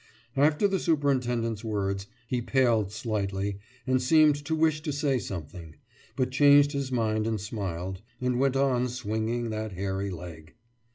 After the superintendent's words, he paled slightly, and seemed to wish to say something but changed his mind and smiled, and went on swinging that hairy leg.